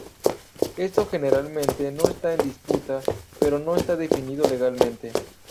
Esto generalmente no está en disputa, pero no está definido legalmente.